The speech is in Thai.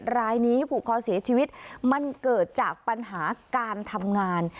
รายนี้ผูกคอเสียชีวิตมันเกิดจากปัญหาการทำงาน